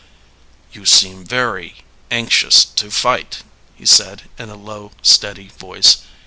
"You seem very anxious to fight," he said in a low, steady voice.